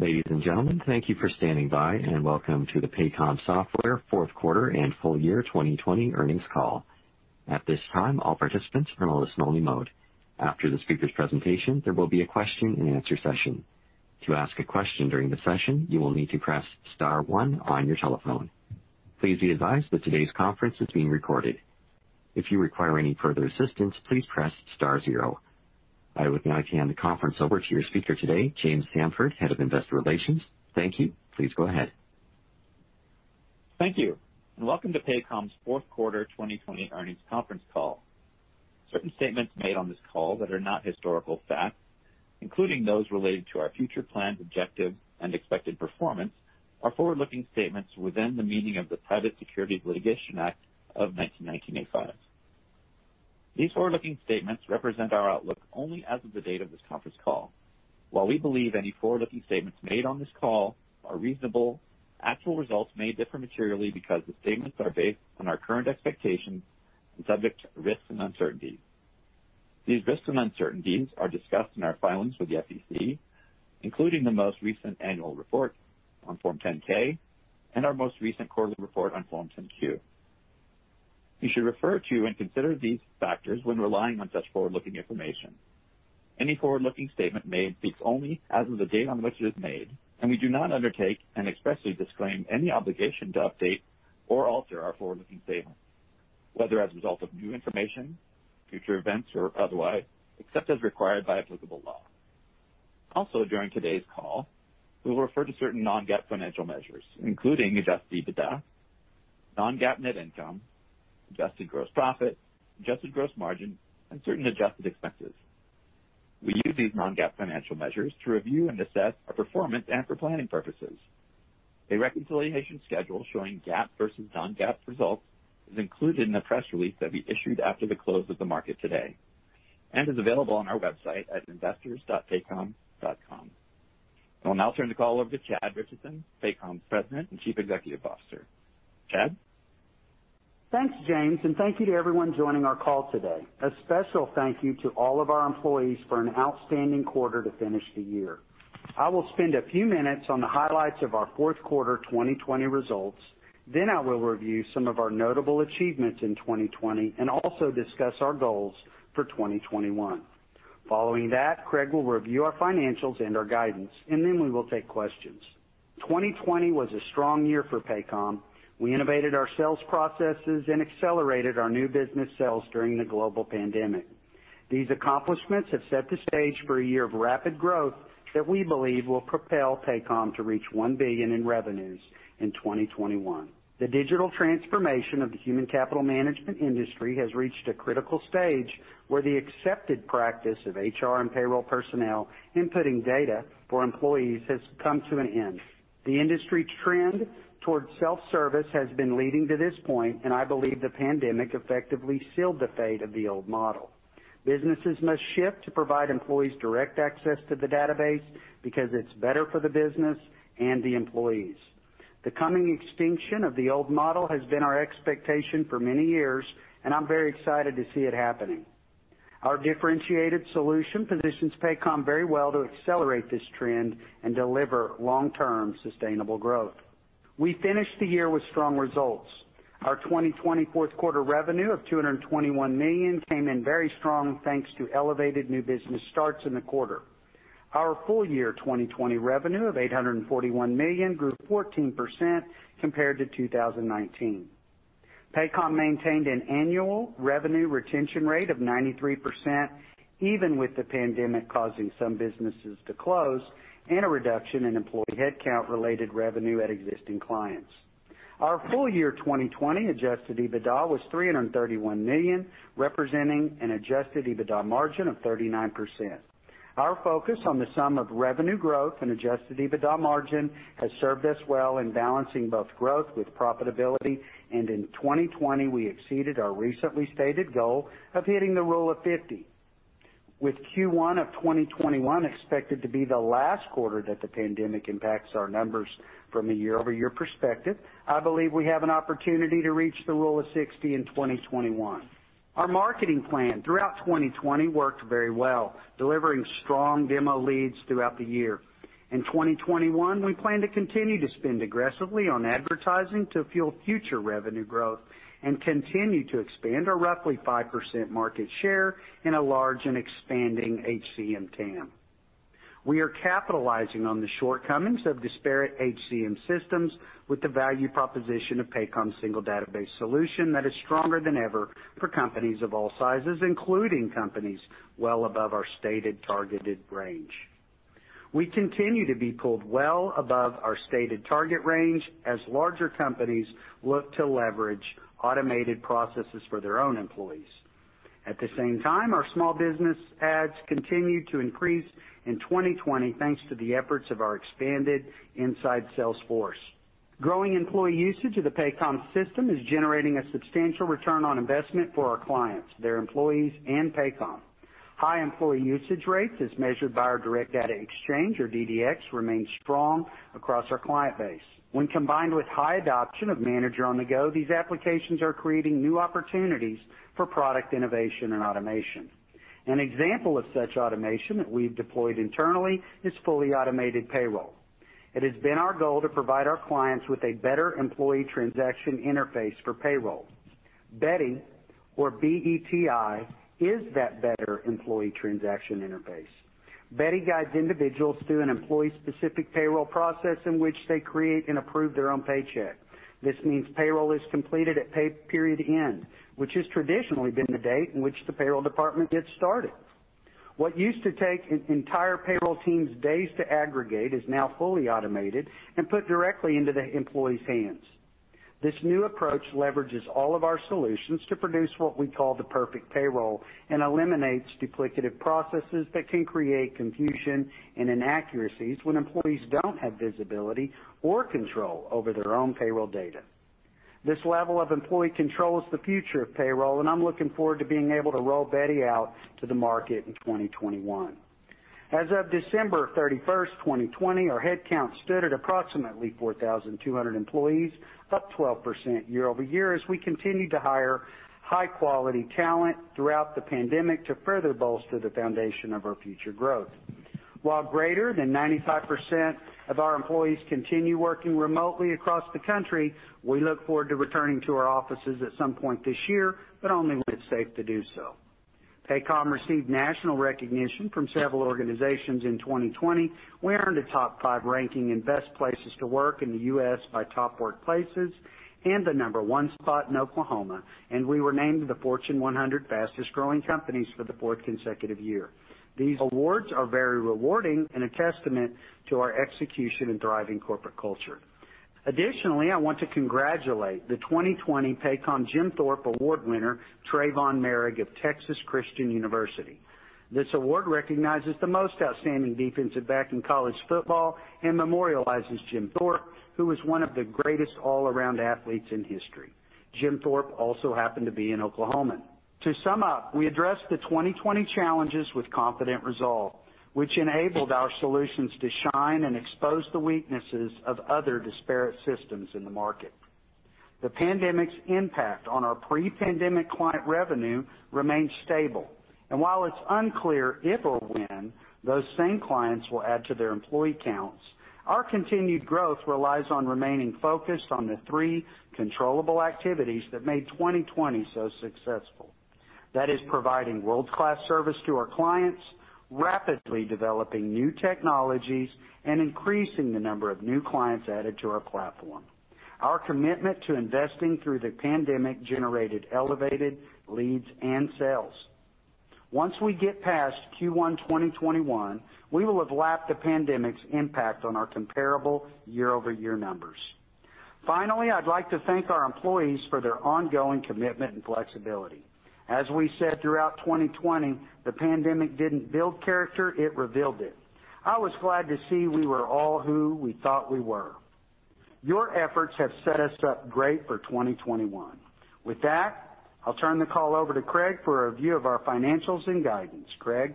Ladies and gentlemen, thank you for standing by, and welcome to the Paycom Software fourth quarter and full year 2020 earnings call. At this time, all participants are in a listen only mode. After the speaker's presentation, there will be a question and answer session. To ask a question during the session, you will need to press star one on your telephone. Please be advised that today's conference is being recorded. If you require any further assistance, please press star zero. I would now hand the conference over to your speaker today, James Samford, Head of Investor Relations. Thank you. Please go ahead. Thank you. Welcome to Paycom's fourth quarter 2020 earnings conference call. Certain statements made on this call that are not historical facts, including those related to our future plans, objectives, and expected performance, are forward-looking statements within the meaning of the Private Securities Litigation Reform Act of 1995. These forward-looking statements represent our outlook only as of the date of this conference call. While we believe any forward-looking statements made on this call are reasonable, actual results may differ materially because the statements are based on our current expectations and subject to risks and uncertainties. These risks and uncertainties are discussed in our filings with the SEC, including the most recent annual report on Form 10-K and our most recent quarterly report on Form 10-Q. You should refer to and consider these factors when relying on such forward-looking information. Any forward-looking statement made speaks only as of the date on which it is made, and we do not undertake and expressly disclaim any obligation to update or alter our forward-looking statement, whether as a result of new information, future events, or otherwise, except as required by applicable law. Also, during today's call, we will refer to certain non-GAAP financial measures, including adjusted EBITDA, non-GAAP net income, adjusted gross profit, adjusted gross margin, and certain adjusted expenses. We use these non-GAAP financial measures to review and assess our performance and for planning purposes. A reconciliation schedule showing GAAP versus non-GAAP results is included in the press release that we issued after the close of the market today and is available on our website at investors.paycom.com. I will now turn the call over to Chad Richison, Paycom President and Chief Executive Officer. Chad? Thanks, James. Thank you to everyone joining our call today. A special thank you to all of our employees for an outstanding quarter to finish the year. I will spend a few minutes on the highlights of our fourth quarter 2020 results. I will review some of our notable achievements in 2020 and also discuss our goals for 2021. Following that, Craig will review our financials and our guidance, and then we will take questions. 2020 was a strong year for Paycom. We innovated our sales processes and accelerated our new business sales during the global pandemic. These accomplishments have set the stage for a year of rapid growth that we believe will propel Paycom to reach $1 billion in revenues in 2021. The digital transformation of the human capital management industry has reached a critical stage where the accepted practice of HR and payroll personnel inputting data for employees has come to an end. The industry trend towards self-service has been leading to this point, and I believe the pandemic effectively sealed the fate of the old model. Businesses must shift to provide employees direct access to the database because it's better for the business and the employees. The coming extinction of the old model has been our expectation for many years, and I'm very excited to see it happening. Our differentiated solution positions Paycom very well to accelerate this trend and deliver long-term sustainable growth. We finished the year with strong results. Our 2020 fourth quarter revenue of $221 million came in very strong, thanks to elevated new business starts in the quarter. Our full year 2020 revenue of $841 million grew 14% compared to 2019. Paycom maintained an annual revenue retention rate of 93%, even with the pandemic causing some businesses to close and a reduction in employee headcount related revenue at existing clients. Our full year 2020 adjusted EBITDA was $331 million, representing an adjusted EBITDA margin of 39%. Our focus on the sum of revenue growth and adjusted EBITDA margin has served us well in balancing both growth with profitability. In 2020, we exceeded our recently stated goal of hitting the Rule of 50. With Q1 of 2021 expected to be the last quarter that the pandemic impacts our numbers from a year-over-year perspective, I believe we have an opportunity to reach the Rule of 60 in 2021. Our marketing plan throughout 2020 worked very well, delivering strong demo leads throughout the year. In 2021, we plan to continue to spend aggressively on advertising to fuel future revenue growth and continue to expand our roughly 5% market share in a large and expanding HCM TAM. We are capitalizing on the shortcomings of disparate HCM systems with the value proposition of Paycom single database solution that is stronger than ever for companies of all sizes, including companies well above our stated targeted range. We continue to be pulled well above our stated target range as larger companies look to leverage automated processes for their own employees. At the same time, our small business ads continued to increase in 2020, thanks to the efforts of our expanded inside sales force. Growing employee usage of the Paycom system is generating a substantial return on investment for our clients, their employees, and Paycom. High employee usage rates, as measured by our Direct Data Exchange or DDX, remain strong across our client base. When combined with high adoption of Manager on-the-Go, these applications are creating new opportunities for product innovation and automation. An example of such automation that we've deployed internally is fully automated payroll. It has been our goal to provide our clients with a Better Employee Transaction Interface for payroll. Beti, or B-E-T-I, is that Better Employee Transaction Interface. Beti guides individuals through an employee-specific payroll process in which they create and approve their own paycheck. This means payroll is completed at pay period end, which has traditionally been the date in which the payroll department gets started. What used to take an entire payroll team's days to aggregate is now fully automated and put directly into the employees' hands. This new approach leverages all of our solutions to produce what we call the perfect payroll and eliminates duplicative processes that can create confusion and inaccuracies when employees don't have visibility or control over their own payroll data. This level of employee control is the future of payroll, and I'm looking forward to being able to roll Beti out to the market in 2021. As of December 31st, 2020, our head count stood at approximately 4,200 employees, up 12% year-over-year, as we continued to hire high-quality talent throughout the pandemic to further bolster the foundation of our future growth. While greater than 95% of our employees continue working remotely across the country, we look forward to returning to our offices at some point this year, but only when it's safe to do so. Paycom received national recognition from several organizations in 2020. We earned a top five ranking in best places to work in the U.S. by Top Workplaces and the number one spot in Oklahoma, and we were named the Fortune 100 Fastest-Growing Companies for the fourth consecutive year. These awards are very rewarding and a testament to our execution and thriving corporate culture. Additionally, I want to congratulate the 2020 Paycom Jim Thorpe Award winner, Trevon Moehrig of Texas Christian University. This award recognizes the most outstanding defensive back in college football and memorializes Jim Thorpe, who was one of the greatest all-around athletes in history. Jim Thorpe also happened to be an Oklahoman. To sum up, we addressed the 2020 challenges with confident resolve, which enabled our solutions to shine and expose the weaknesses of other disparate systems in the market. The pandemic's impact on our pre-pandemic client revenue remains stable, and while it's unclear if or when those same clients will add to their employee counts, our continued growth relies on remaining focused on the three controllable activities that made 2020 so successful. That is providing world-class service to our clients, rapidly developing new technologies, and increasing the number of new clients added to our platform. Our commitment to investing through the pandemic generated elevated leads and sales. Once we get past Q1 2021, we will have lapped the pandemic's impact on our comparable year-over-year numbers. Finally, I'd like to thank our employees for their ongoing commitment and flexibility. As we said throughout 2020, the pandemic didn't build character, it revealed it. I was glad to see we were all who we thought we were. Your efforts have set us up great for 2021. With that, I'll turn the call over to Craig for a view of our financials and guidance. Craig?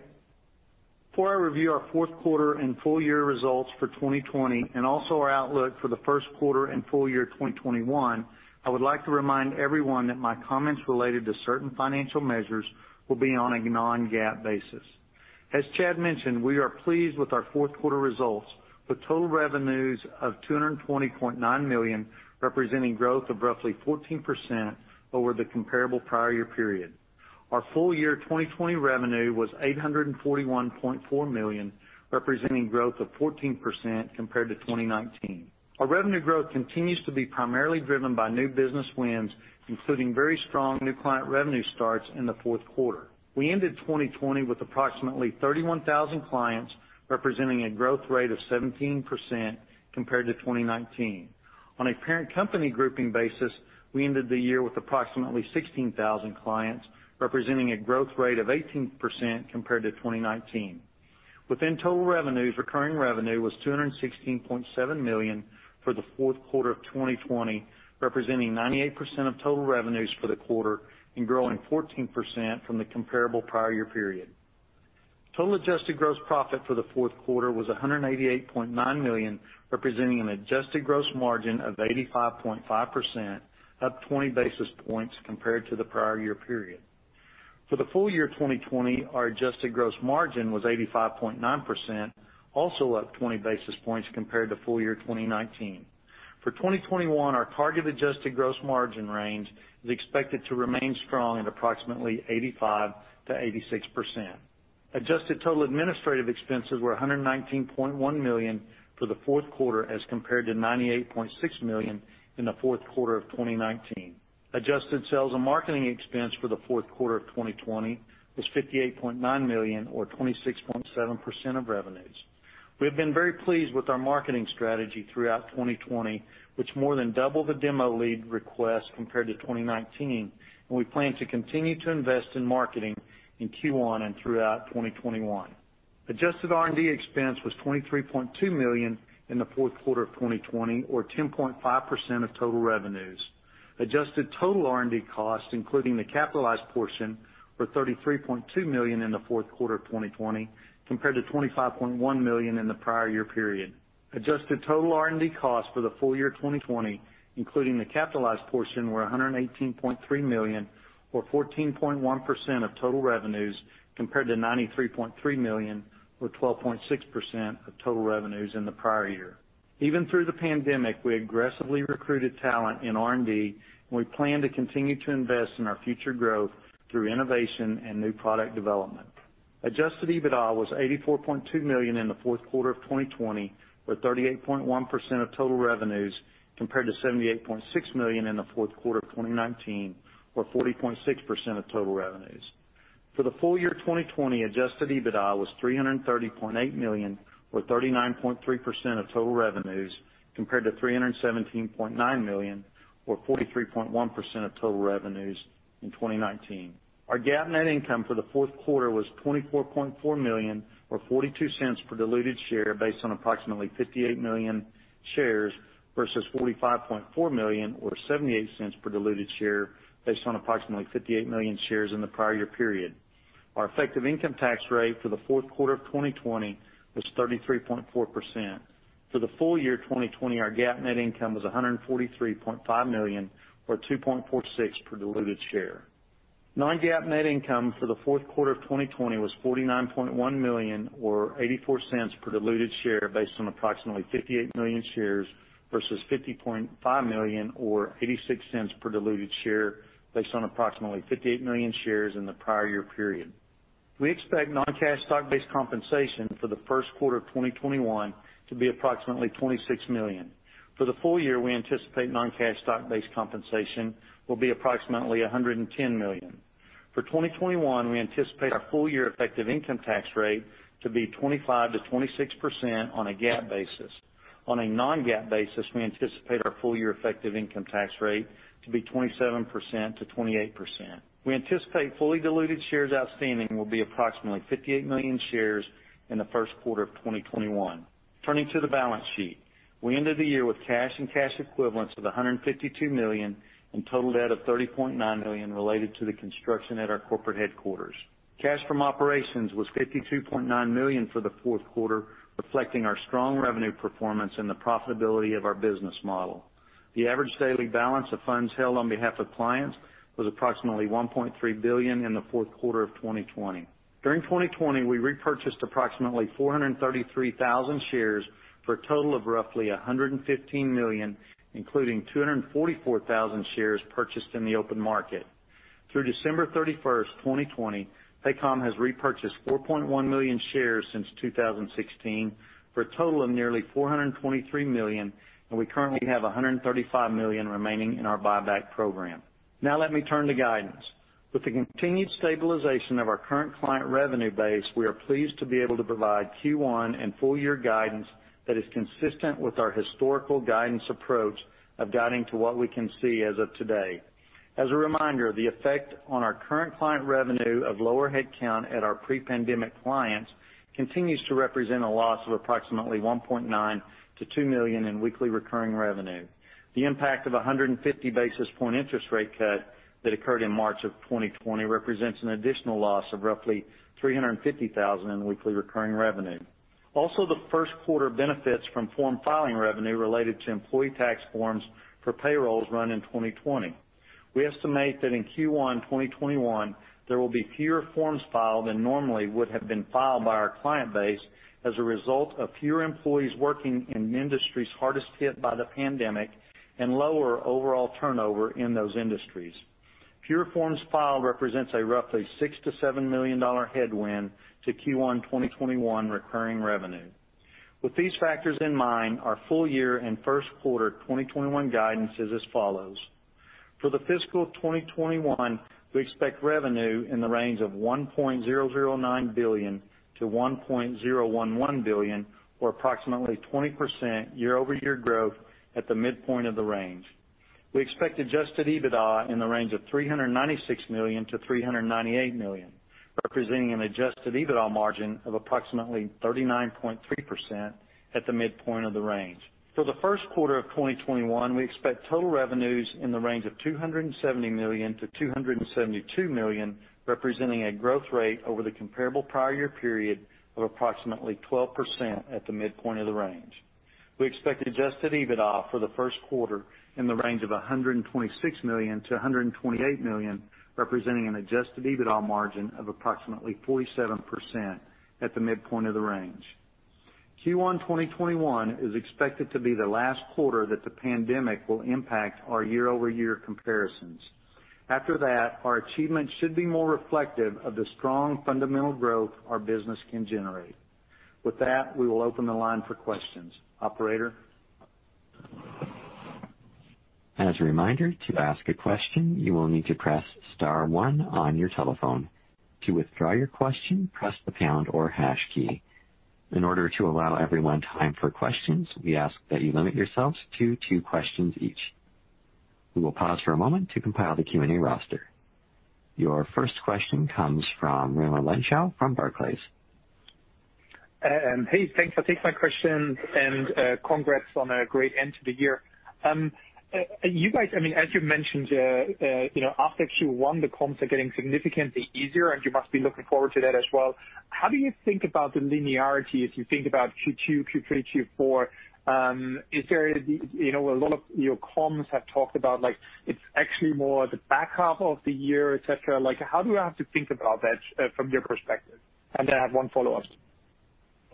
Before I review our fourth quarter and full year results for 2020 and also our outlook for the first quarter and full year 2021, I would like to remind everyone that my comments related to certain financial measures will be on a non-GAAP basis. As Chad mentioned, we are pleased with our fourth quarter results, with total revenues of $220.9 million, representing growth of roughly 14% over the comparable prior year period. Our full year 2020 revenue was $841.4 million, representing growth of 14% compared to 2019. Our revenue growth continues to be primarily driven by new business wins, including very strong new client revenue starts in the fourth quarter. We ended 2020 with approximately 31,000 clients, representing a growth rate of 17% compared to 2019. On a parent company grouping basis, we ended the year with approximately 16,000 clients, representing a growth rate of 18% compared to 2019. Within total revenues, recurring revenue was $216.7 million for the fourth quarter of 2020, representing 98% of total revenues for the quarter and growing 14% from the comparable prior year period. Total adjusted gross profit for the fourth quarter was $188.9 million, representing an adjusted gross margin of 85.5%, up 20 basis points compared to the prior year period. For the full year 2020, our adjusted gross margin was 85.9%, also up 20 basis points compared to full year 2019. For 2021, our target adjusted gross margin range is expected to remain strong at approximately 85%-86%. Adjusted total administrative expenses were $119.1 million for the fourth quarter, as compared to $98.6 million in the fourth quarter of 2019. Adjusted sales and marketing expense for the fourth quarter of 2020 was $58.9 million or 26.7% of revenues. We have been very pleased with our marketing strategy throughout 2020, which more than doubled the demo lead request compared to 2019. We plan to continue to invest in marketing in Q1 and throughout 2021. Adjusted R&D expense was $23.2 million in the fourth quarter of 2020 or 10.5% of total revenues. Adjusted total R&D costs, including the capitalized portion, were $33.2 million in the fourth quarter of 2020 compared to $25.1 million in the prior year period. Adjusted total R&D costs for the full year 2020, including the capitalized portion, were $118.3 million or 14.1% of total revenues compared to $93.3 million or 12.6% of total revenues in the prior year. Even through the pandemic, we aggressively recruited talent in R&D, we plan to continue to invest in our future growth through innovation and new product development. Adjusted EBITDA was $84.2 million in the fourth quarter of 2020, or 38.1% of total revenues compared to $78.6 million in the fourth quarter of 2019, or 40.6% of total revenues. For the full year 2020, adjusted EBITDA was $330.8 million, or 39.3% of total revenues compared to $317.9 million or 43.1% of total revenues in 2019. Our GAAP net income for the fourth quarter was $24.4 million or $0.42 per diluted share based on approximately 58 million shares versus $45.4 million or $0.78 per diluted share based on approximately 58 million shares in the prior year period. Our effective income tax rate for the fourth quarter of 2020 was 33.4%. For the full year 2020, our GAAP net income was $143.5 million or $2.46 per diluted share. Non-GAAP net income for the fourth quarter of 2020 was $49.1 million or $0.84 per diluted share based on approximately 58 million shares versus $50.5 million or $0.86 per diluted share based on approximately 58 million shares in the prior year period. We expect non-cash stock-based compensation for the first quarter of 2021 to be approximately $26 million. For the full year, we anticipate non-cash stock-based compensation will be approximately $110 million. For 2021, we anticipate our full year effective income tax rate to be 25%-26% on a GAAP basis. On a non-GAAP basis, we anticipate our full year effective income tax rate to be 27%-28%. We anticipate fully diluted shares outstanding will be approximately 58 million shares in the first quarter of 2021. Turning to the balance sheet. We ended the year with cash and cash equivalents of $152 million and total debt of $30.9 million related to the construction at our corporate headquarters. Cash from operations was $52.9 million for the fourth quarter, reflecting our strong revenue performance and the profitability of our business model. The average daily balance of funds held on behalf of clients was approximately $1.3 billion in the fourth quarter of 2020. During 2020, we repurchased approximately 433,000 shares for a total of roughly $115 million, including 244,000 shares purchased in the open market. Through December 31st, 2020, Paycom has repurchased 4.1 million shares since 2016 for a total of nearly $423 million, and we currently have $135 million remaining in our buyback program. Let me turn to guidance. With the continued stabilization of our current client revenue base, we are pleased to be able to provide Q1 and full year guidance that is consistent with our historical guidance approach of guiding to what we can see as of today. As a reminder, the effect on our current client revenue of lower headcount at our pre-pandemic clients continues to represent a loss of approximately $1.9 million-$2 million in weekly recurring revenue. The impact of 150 basis point interest rate cut that occurred in March of 2020 represents an additional loss of roughly $350,000 in weekly recurring revenue. The first quarter benefits from form filing revenue related to employee tax forms for payrolls run in 2020. We estimate that in Q1 2021, there will be fewer forms filed than normally would have been filed by our client base as a result of fewer employees working in industries hardest hit by the pandemic and lower overall turnover in those industries. Fewer forms filed represents a roughly $6 million-$7 million headwind to Q1 2021 recurring revenue. With these factors in mind, our full year and first quarter 2021 guidance is as follows: For fiscal 2021, we expect revenue in the range of $1.009 billion-$1.011 billion, or approximately 20% year-over-year growth at the midpoint of the range. We expect adjusted EBITDA in the range of $396 million-$398 million, representing an adjusted EBITDA margin of approximately 39.3% at the midpoint of the range. For the first quarter of 2021, we expect total revenues in the range of $270 million-$272 million, representing a growth rate over the comparable prior year period of approximately 12% at the midpoint of the range. We expect adjusted EBITDA for the first quarter in the range of $126 million-$128 million, representing an adjusted EBITDA margin of approximately 47% at the midpoint of the range. Q1 2021 is expected to be the last quarter that the pandemic will impact our year-over-year comparisons. After that, our achievements should be more reflective of the strong fundamental growth our business can generate. With that, we will open the line for questions. Operator? As a reminder, to ask a question, you will need to press star one on your telephone. To withdraw your question, press the pound or hash key. In order to allow everyone time for questions, we ask that you limit yourselves to two questions each. We will pause for a moment to compile the Q&A roster. Your first question comes from Raimo Lenschow from Barclays. Hey, thanks for taking my question and congrats on a great end to the year. You guys, I mean, as you mentioned, you know, after Q1, the comps are getting significantly easier, and you must be looking forward to that as well. How do you think about the linearity as you think about Q2, Q3, Q4? Is there, you know, a lot of your comps have talked about, like it's actually more the back half of the year, et cetera. Like, how do I have to think about that from your perspective? I have one follow-up.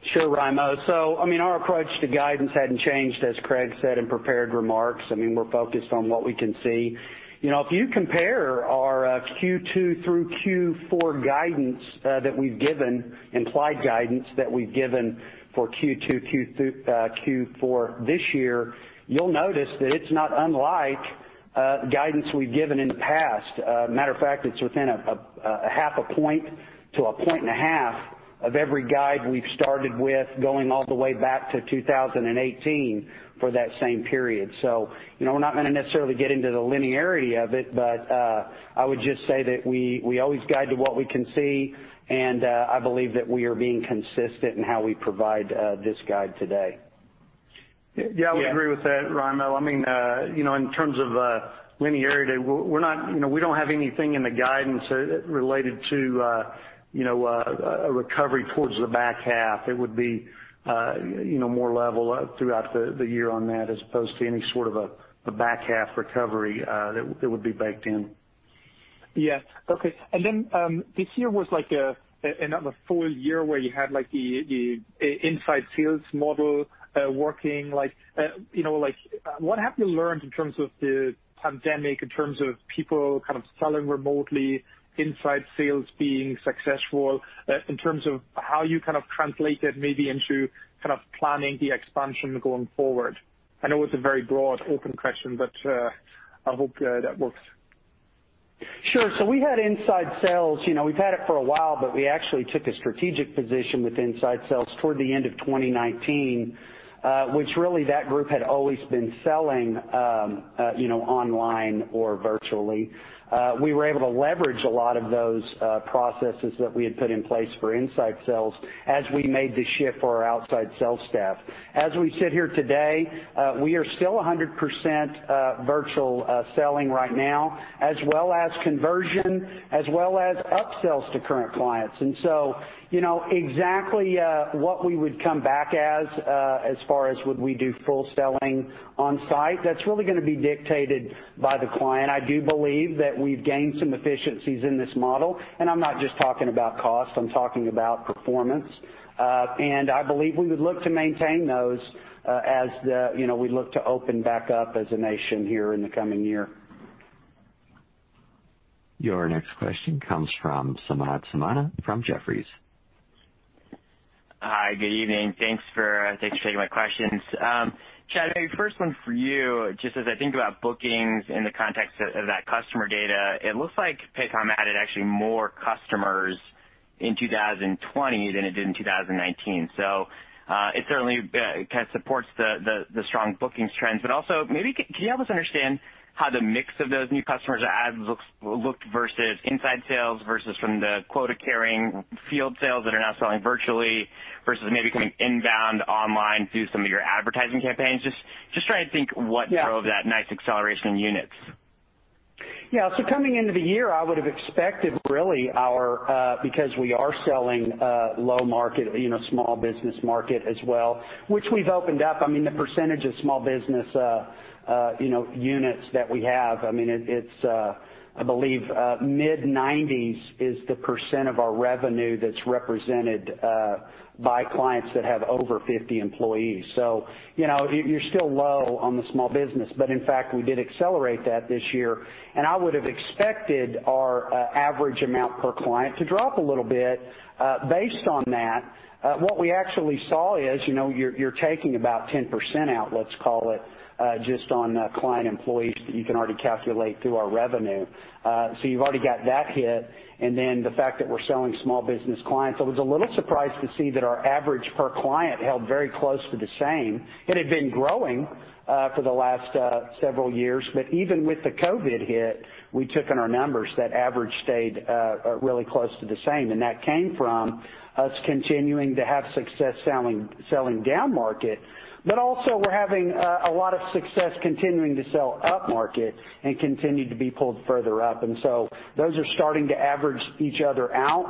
Sure, Raimo. I mean, our approach to guidance hadn't changed, as Craig said in prepared remarks. I mean, we're focused on what we can see. You know, if you compare our Q2 through Q4 guidance that we've given, implied guidance that we've given for Q2, Q4 this year, you'll notice that it's not unlike guidance we've given in the past. Matter of fact, it's within 0.5 points-1.5 points of every guide we've started with going all the way back to 2018 for that same period. you know, we're not gonna necessarily get into the linearity of it, but, I would just say that we always guide to what we can see, and, I believe that we are being consistent in how we provide, this guide today. Yeah, I would agree with that, Raimo. I mean, you know, in terms of linearity, we're not, you know, we don't have anything in the guidance related to, you know, a recovery towards the back half. It would be, you know, more level throughout the year on that as opposed to any sort of a back half recovery that would be baked in. Yeah. Okay. This year was like another full year where you had like the inside sales model working. Like, you know, what have you learned in terms of the pandemic, in terms of people kind of selling remotely, inside sales being successful, in terms of how you kind of translate that maybe into kind of planning the expansion going forward? I know it's a very broad, open question, but I hope that works. Sure. We had inside sales, you know, we've had it for a while, but we actually took a strategic position with inside sales toward the end of 2019, which really that group had always been selling, you know, online or virtually. We were able to leverage a lot of those processes that we had put in place for inside sales as we made the shift for our outside sales staff. As we sit here today, we are still 100% virtual selling right now, as well as conversion, as well as upsells to current clients. You know, exactly what we would come back as far as would we do full selling on site, that's really gonna be dictated by the client. I do believe that we've gained some efficiencies in this model, and I'm not just talking about cost, I'm talking about performance. I believe we would look to maintain those, as the, you know, we look to open back up as a nation here in the coming year. Your next question comes from Samad Samana from Jefferies. Hi, good evening. Thanks for taking my questions. Chad, maybe first one for you. Just as I think about bookings in the context of that customer data, it looks like Paycom added actually more customers in 2020 than it did in 2019. it certainly kind of supports the strong bookings trends. Also, maybe can you help us understand how the mix of those new customers or adds looks, looked versus inside sales versus from the quota-carrying field sales that are now selling virtually versus maybe coming inbound online through some of your advertising campaigns? Just trying to think what- Yeah Drove that nice acceleration in units. Yeah. Coming into the year, I would've expected really our, because we are selling low market, you know, small business market as well, which we've opened up. I mean, the percentage of small business, you know, units that we have, I mean, it's, I believe, mid-nineties is the percent of our revenue that's represented by clients that have over 50 employees. You know, you're still low on the small business, but in fact, we did accelerate that this year. I would've expected our average amount per client to drop a little bit based on that. What we actually saw is, you know, you're taking about 10% out, let's call it, just on client employees that you can already calculate through our revenue. You've already got that hit, and then the fact that we're selling small business clients. I was a little surprised to see that our average per client held very close to the same. It had been growing for the last several years. Even with the COVID hit we took on our numbers, that average stayed really close to the same, and that came from us continuing to have success selling down market. Also we're having a lot of success continuing to sell up market and continue to be pulled further up. Those are starting to average each other out.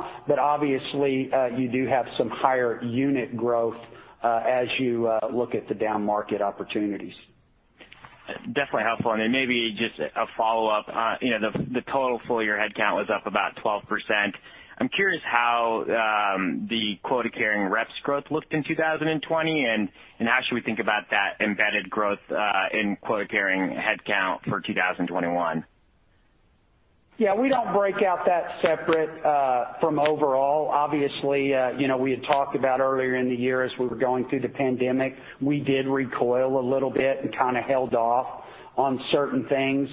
Obviously, you do have some higher unit growth as you look at the down market opportunities. Definitely helpful. Maybe just a follow-up. You know, the total full-year headcount was up about 12%. I'm curious how the quota-carrying reps growth looked in 2020, and how should we think about that embedded growth in quota-carrying headcount for 2021? Yeah, we don't break out that separate from overall. Obviously, you know, we had talked about earlier in the year as we were going through the pandemic, we did recoil a little bit and kind of held off on certain things.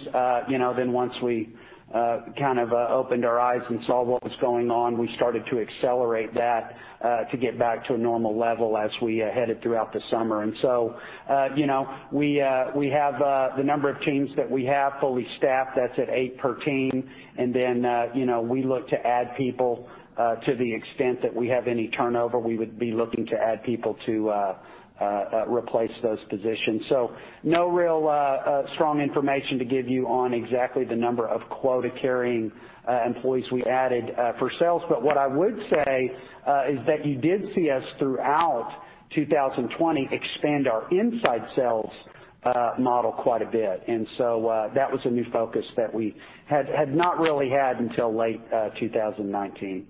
You know, then once we, kind of, opened our eyes and saw what was going on, we started to accelerate that, to get back to a normal level as we, headed throughout the summer. So, you know, we have the number of teams that we have fully staffed, that's at eight per team. Then, you know, we look to add people to the extent that we have any turnover, we would be looking to add people to replace those positions. No real strong information to give you on exactly the number of quota-carrying employees we added for sales. What I would say is that you did see us throughout 2020 expand our inside sales model quite a bit. That was a new focus that we had not really had until late 2019.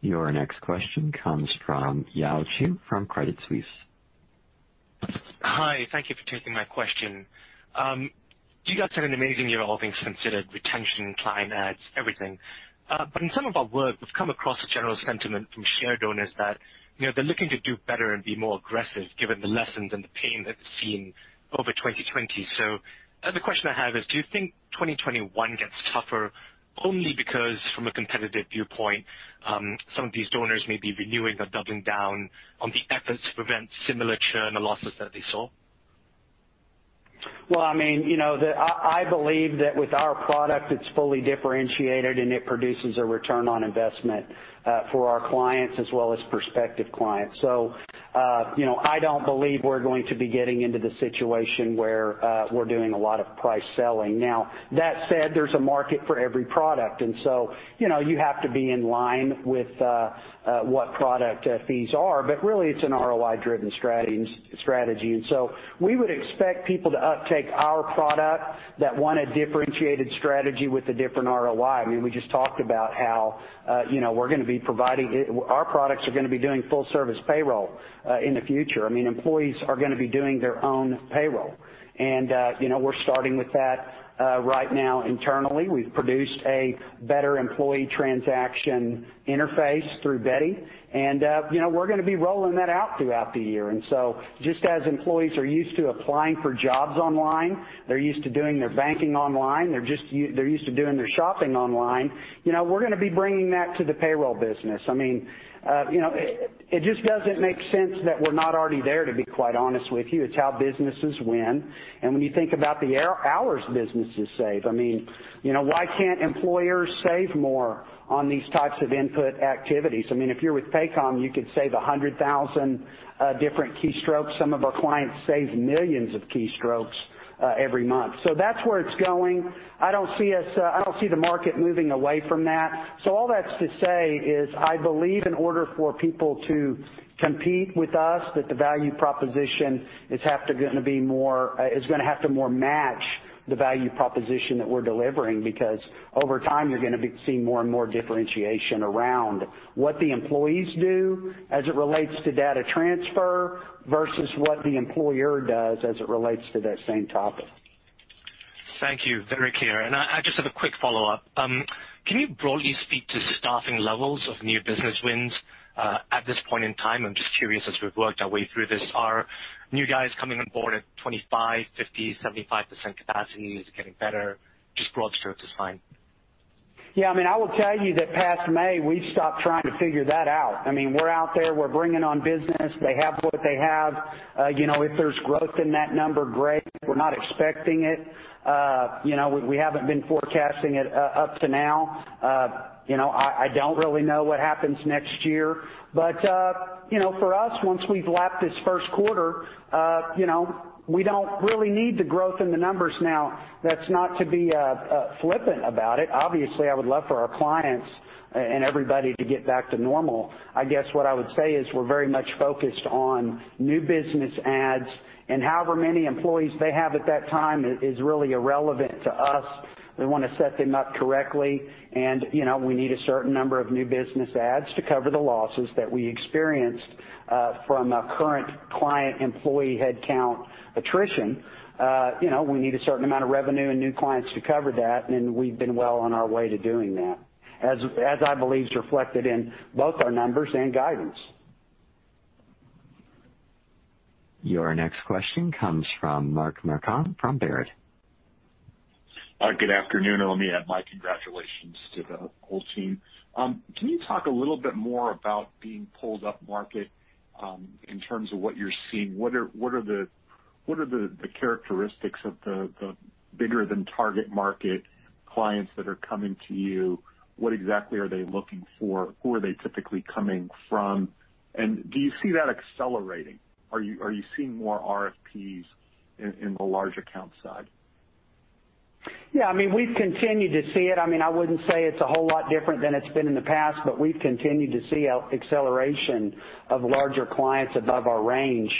Your next question comes from Yao Chew from Credit Suisse. Hi. Thank you for taking my question. You guys had an amazing year, all things considered, retention, client adds, everything. But in some of our work, we've come across a general sentiment from shareholders that, you know, they're looking to do better and be more aggressive given the lessons and the pain that they've seen over 2020. The question I have is, do you think 2021 gets tougher only because from a competitive viewpoint, some of these shareholders may be renewing or doubling down on the efforts to prevent similar churn or losses that they saw? Well, I mean, you know, I believe that with our product, it's fully differentiated, and it produces a return on investment for our clients as well as prospective clients. You know, I don't believe we're going to be getting into the situation where we're doing a lot of price selling. Now that said, there's a market for every product, you know, you have to be in line with what product fees are. But really it's an ROI-driven strategy. We would expect people to uptake our product that want a differentiated strategy with a different ROI. I mean, we just talked about how, you know, we're gonna be providing our products are gonna be doing full service payroll in the future. I mean, employees are gonna be doing their own payroll. You know, we're starting with that right now internally. We've produced a Better Employee Transaction Interface through Beti, and, you know, we're gonna be rolling that out throughout the year. Just as employees are used to applying for jobs online, they're used to doing their banking online, they're just they're used to doing their shopping online, you know, we're gonna be bringing that to the payroll business. I mean, you know, it just doesn't make sense that we're not already there, to be quite honest with you. It's how businesses win. When you think about the hours businesses save, I mean, you know, why can't employers save more on these types of input activities? I mean, if you're with Paycom, you could save 100,000 different keystrokes. Some of our clients save millions of keystrokes every month. That's where it's going. I don't see us I don't see the market moving away from that. All that's to say is, I believe in order for people to compete with us, that the value proposition is gonna have to more match the value proposition that we're delivering. Over time, you're gonna be seeing more and more differentiation around what the employees do as it relates to data transfer versus what the employer does as it relates to that same topic. Thank you. Very clear. I just have a quick follow-up. Can you broadly speak to staffing levels of new business wins at this point in time? I'm just curious, as we've worked our way through this, are new guys coming on board at 25%, 50%, 75% capacity? Is it getting better? Just broad strokes is fine. Yeah. I mean, I will tell you that past May, we've stopped trying to figure that out. I mean, we're out there, we're bringing on business. They have what they have. You know, if there's growth in that number, great. We're not expecting it. You know, we haven't been forecasting it up to now. You know, I don't really know what happens next year, but, you know, for us, once we've lapped this first quarter, you know, we don't really need the growth in the numbers now. That's not to be flippant about it. Obviously, I would love for our clients and everybody to get back to normal. I guess what I would say is we're very much focused on new business adds and however many employees they have at that time is really irrelevant to us. We wanna set them up correctly and, you know, we need a certain number of new business adds to cover the losses that we experienced from a current client employee headcount attrition. You know, we need a certain amount of revenue and new clients to cover that, and we've been well on our way to doing that, as I believe is reflected in both our numbers and guidance. Your next question comes from Mark Marcon from Baird. Good afternoon, let me add my congratulations to the whole team. Can you talk a little bit more about being pulled up market in terms of what you're seeing? What are the characteristics of the bigger than target market clients that are coming to you? What exactly are they looking for? Who are they typically coming from? Do you see that accelerating? Are you seeing more RFPs in the large account side? Yeah, I mean, we've continued to see it. I mean, I wouldn't say it's a whole lot different than it's been in the past, but we've continued to see a acceleration of larger clients above our range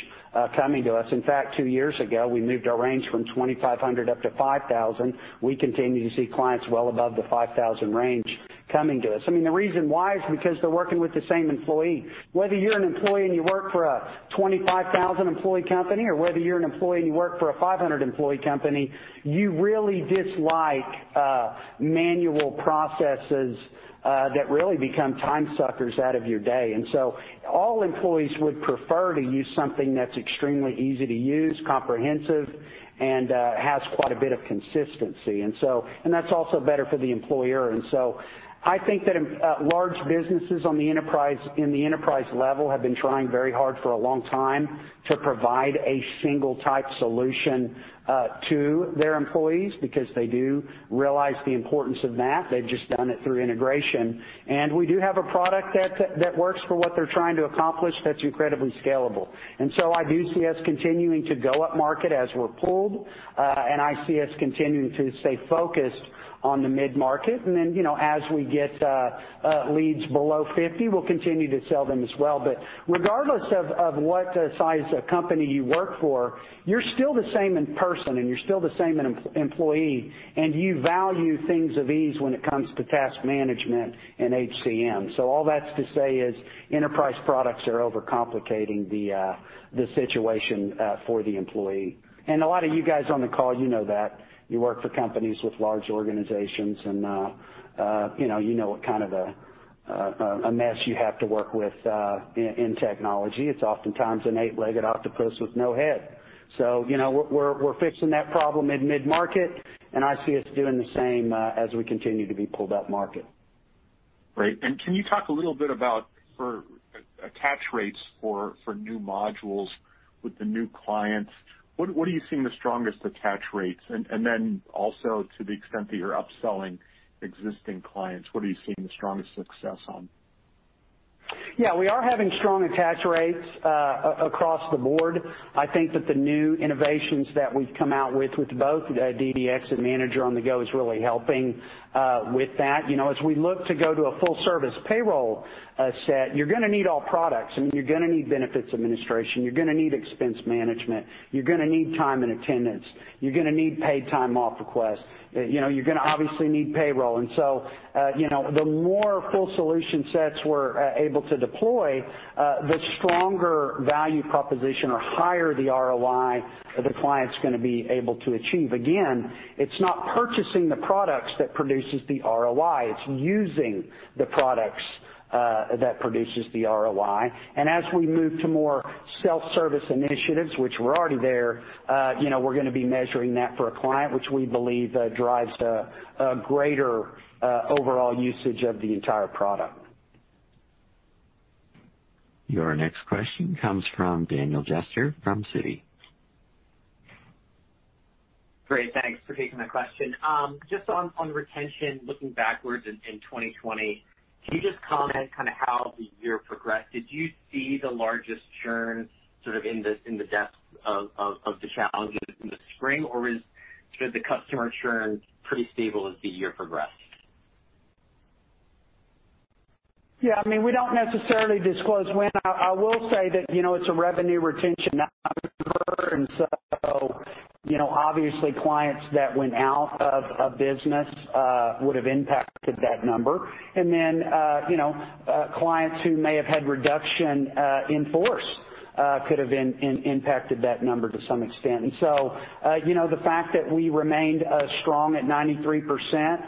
coming to us. In fact, two years ago, we moved our range from 2,500 up to 5,000. We continue to see clients well above the 5,000 range coming to us. I mean, the reason why is because they're working with the same employee. Whether you're an employee and you work for a 25,000 employee company or whether you're an employee and you work for a 500 employee company, you really dislike manual processes that really become time suckers out of your day. All employees would prefer to use something that's extremely easy to use, comprehensive, and has quite a bit of consistency. That's also better for the employer. I think that large businesses on the enterprise, in the enterprise level have been trying very hard for a long time to provide a single type solution to their employees because they do realize the importance of that. They've just done it through integration. We do have a product that works for what they're trying to accomplish that's incredibly scalable. I do see us continuing to go up market as we're pulled, and I see us continuing to stay focused on the mid-market. Then, you know, as we get leads below 50, we'll continue to sell them as well. Regardless of what size a company you work for, you're still the same in person, and you're still the same employee, and you value things of ease when it comes to task management and HCM. All that's to say is enterprise products are overcomplicating the situation for the employee. A lot of you guys on the call, you know that. You work for companies with large organizations, you know what kind of a mess you have to work with in technology. It's oftentimes an eight-legged octopus with no head. You know, we're fixing that problem in mid-market, and I see us doing the same as we continue to be pulled up market. Great. Can you talk a little bit about for attach rates for new modules with the new clients? What are you seeing the strongest attach rates? Also to the extent that you're upselling existing clients, what are you seeing the strongest success on? Yeah, we are having strong attach rates across the board. I think that the new innovations that we've come out with both DDX and Manager on-the-Go is really helping with that. You know, as we look to go to a full service payroll set, you're gonna need all products, and you're gonna need benefits administration, you're gonna need expense management, you're gonna need time and attendance, you're gonna need paid time off requests. You know, you're gonna obviously need payroll. You know, the more full solution sets we're able to deploy, the stronger value proposition or higher the ROI the client's gonna be able to achieve. Again, it's not purchasing the products that produces the ROI. It's using the products that produces the ROI. As we move to more self-service initiatives, which we're already there, you know, we're gonna be measuring that for a client, which we believe, drives a greater overall usage of the entire product. Your next question comes from Daniel Jester from Citi. Great. Thanks for taking my question. Just on retention, looking backwards in 2020, can you just comment kind of how the year progressed? Did you see the largest churn sort of in the depth of the challenges in the spring? Is sort of the customer churn pretty stable as the year progressed? Yeah, I mean, we don't necessarily disclose when. I will say that, you know, it's a revenue retention number. You know, obviously, clients that went out of a business would've impacted that number. Then, you know, clients who may have had reduction in force could have impacted that number to some extent. You know, the fact that we remained strong at 93%,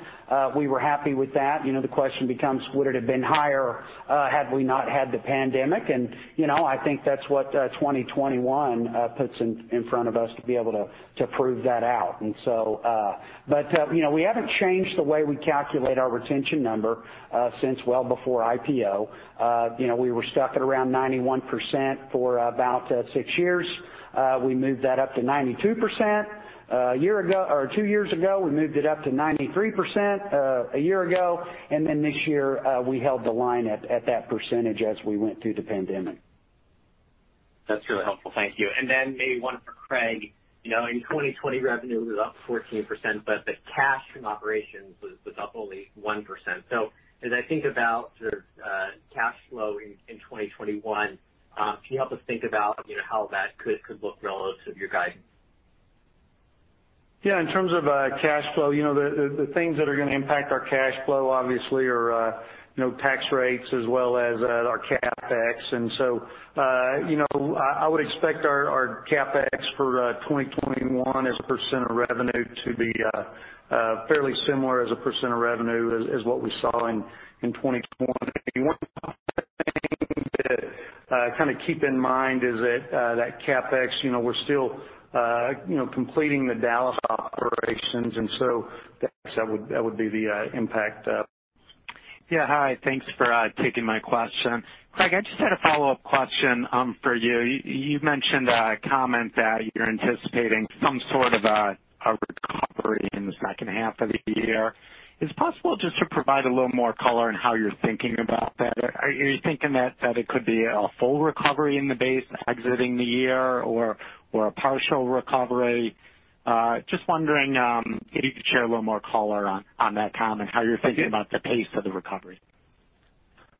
we were happy with that. You know, the question becomes, would it have been higher had we not had the pandemic? You know, I think that's what 2021 puts in front of us to be able to prove that out. You know, we haven't changed the way we calculate our retention number since well before IPO. You know, we were stuck at around 91% for about six years. We moved that up to 92% a year ago or two years ago. We moved it up to 93% a year ago. This year, we held the line at that percentage as we went through the pandemic. That's really helpful. Thank you. Maybe one for Craig. You know, in 2020, revenue was up 14%, the cash from operations was up only 1%. As I think about sort of cash flow in 2021, can you help us think about, you know, how that could look relative to your guidance? Yeah. In terms of cash flow, you know, the things that are gonna impact our cash flow obviously are, you know, tax rates as well as our CapEx. You know, I would expect our CapEx for 2021 as a percent of revenue to be fairly similar as a percent of revenue as what we saw in 2020. One other thing to kind of keep in mind is that that CapEx, you know, we're still, you know, completing the Dallas operations. That would be the impact. Yeah. Hi. Thanks for taking my question. Craig, I just had a follow-up question for you. You, you mentioned a comment that you're anticipating some sort of a recovery in the second half of the year. Is it possible just to provide a little more color on how you're thinking about that? Are, are you thinking that it could be a full recovery in the base exiting the year or a partial recovery? Just wondering if you could share a little more color on that comment, how you're thinking about the pace of the recovery.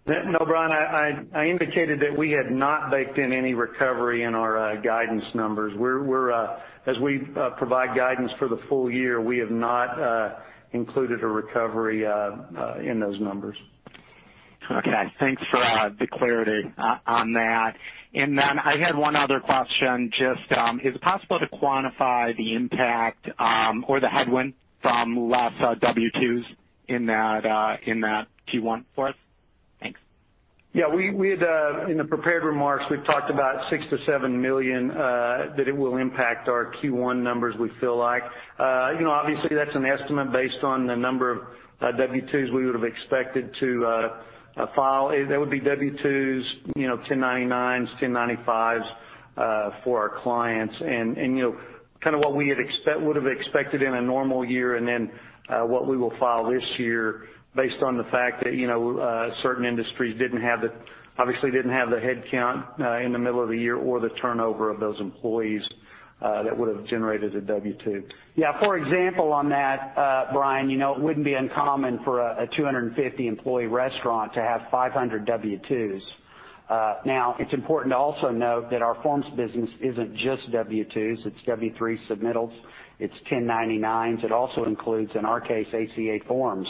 No, Bryan, I indicated that we had not baked in any recovery in our guidance numbers. As we provide guidance for the full year, we have not included a recovery in those numbers. Okay. Thanks for the clarity on that. I had one other question, just, is it possible to quantify the impact or the headwind from less W-2s in that in that Q1 for us? Thanks. We had in the prepared remarks, we've talked about $6 million-$7 million that it will impact our Q1 numbers, we feel like. You know, obviously, that's an estimate based on the number of W-2s we would've expected to file. That would be W-2s, you know, 1099s, 1095s for our clients. You know, kind of what we had would've expected in a normal year, what we will file this year based on the fact that, you know, certain industries didn't have the obviously didn't have the headcount in the middle of the year or the turnover of those employees that would've generated a W-2. Yeah. For example on that, Bryan, you know, it wouldn't be uncommon for a 250 employee restaurant to have 500 W-2s. Now it's important to also note that our forms business isn't just W-2s. It's W-3 submittals. It's 1099s. It also includes, in our case, ACA forms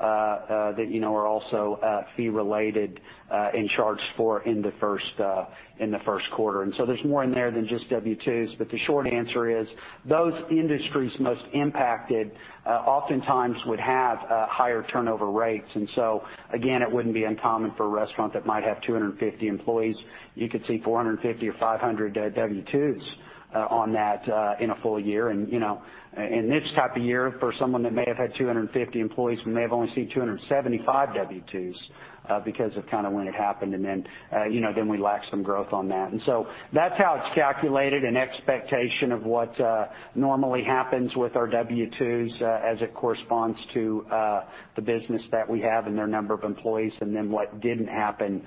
that, you know, are also fee related and charged for in the first quarter. There's more in there than just W-2s. The short answer is those industries most impacted oftentimes would have higher turnover rates. Again, it wouldn't be uncommon for a restaurant that might have 250 employees. You could see 450 or 500 W-2s on that in a full year. You know, in this type of year, for someone that may have had 250 employees, we may have only seen 275 W-2s, because of kind of when it happened. You know, then we lack some growth on that. That's how it's calculated, an expectation of what normally happens with our W-2s, as it corresponds to the business that we have and their number of employees, and then what didn't happen